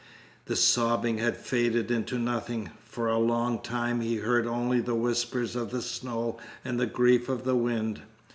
The sobbing had faded into nothing. For a long time he heard only the whispers of the snow and the grief of the wind.